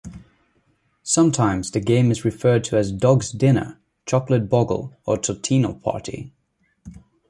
Sometimes the game is referred to as "Dog's Dinner", "Chocolate Boggle" or "Totino Party".